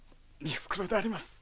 ３袋であります。